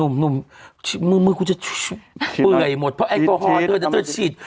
เปื่อยหมดเพราะแอลกอฮอล์เขาก้อนจะเคยชิด